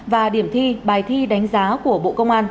và điểm thi bài thi đánh giá của bộ công an